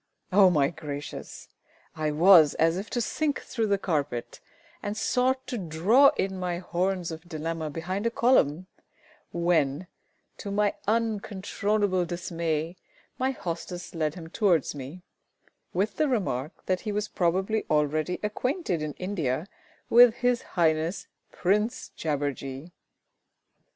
Oh, my gracious! I was as if to sink through the carpet, and sought to draw in my horns of dilemma behind a column, when, to my uncontrollable dismay, my hostess led him towards me, with the remark that he was probably already acquainted in India with His Highness Prince JABBERJEE.